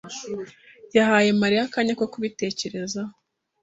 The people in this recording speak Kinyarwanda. yahaye Mariya akanya ko kubitekerezaho.